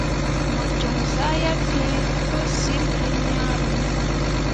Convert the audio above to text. Mo joŋ zah yeb fee pǝ syil dunyaru ne ?